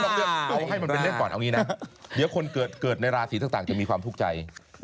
เรื่องเอาให้มันเป็นเรื่องก่อนเอางี้นะเดี๋ยวคนเกิดในราศีต่างจะมีความทุกข์ใจ